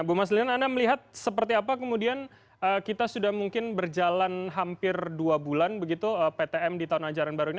bu mas lilian anda melihat seperti apa kemudian kita sudah mungkin berjalan hampir dua bulan begitu ptm di tahun ajaran baru ini